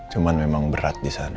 cuma memang berat di sana